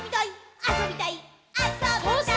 あそびたい！